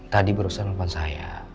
tadi berusaha nelfon saya